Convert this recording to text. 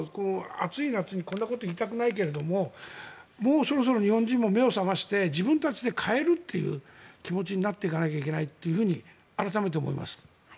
暑い夏にこんなことを言いたくないけれどもうそろそろ日本人も目を覚まして自分たちで変えるっていう気持ちになっていかなければいけないって改めて思います。